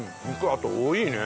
あと多いね。